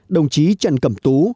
đồng chí trần cẩm tú